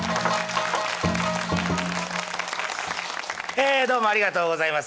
ええどうもありがとうございます。